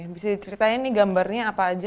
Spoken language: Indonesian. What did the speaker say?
bisa diceritain nih gambarnya apa aja